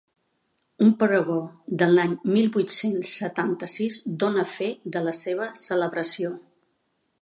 Un Pregó de l'any mil vuit-cents setanta-sis dóna fe de la seva celebració.